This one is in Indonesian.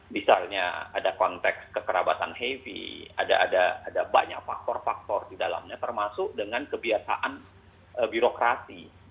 misalnya ada konteks kekerabatan heavy ada banyak faktor faktor di dalamnya termasuk dengan kebiasaan birokrasi